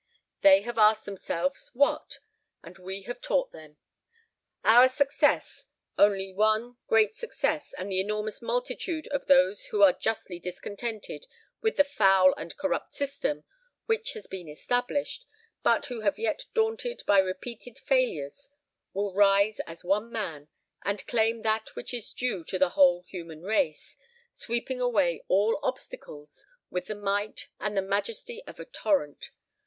They have asked themselves, what? and we have taught them. One success, only one great success, and the enormous multitude of those who are justly discontented with the foul and corrupt system which has been established, but who have been daunted by repeated failures, will rise as one man, and claim that which is due to the whole human race, sweeping away all obstacles with the might and the majesty of a torrent.